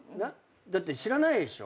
だって知らないでしょ？